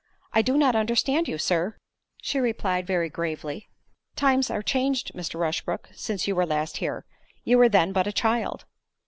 "I do not understand you, Sir," she replied very gravely; "Times are changed, Mr. Rushbrook, since you were last here—you were then but a child."